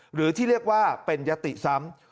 หรือที่เรียกว่าเป็นยติซ้ำ